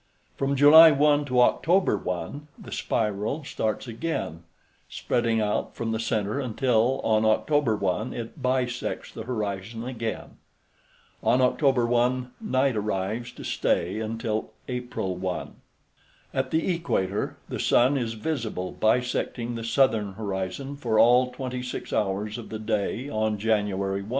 From July 1 to October 1 the spiral starts again, spreading out from the center until on October 1 it bisects the horizon again. On October 1 night arrives to stay until April 1. At the equator, the sun is visible bisecting the southern horizon for all 26 hours of the day on January 1.